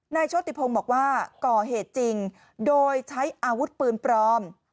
โชติพงศ์บอกว่าก่อเหตุจริงโดยใช้อาวุธปืนปลอม